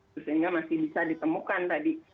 sehingga masih bisa ditemukan tadi